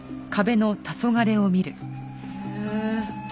へえ。